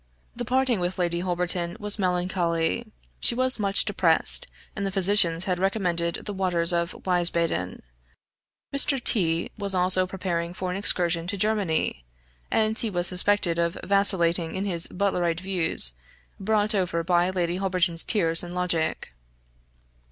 The parting with Lady Holberton was melancholy; she was much depressed, and the physicians had recommended the waters of Wiesbaden. Mr. T was also preparing for an excursion to Germany; and he was suspected of vacillating in his Butlerite views, brought over by Lady Holberton's tears and logic.